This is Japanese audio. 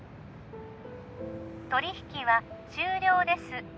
取引は終了です